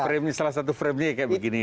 frame salah satu frame nya kayak begini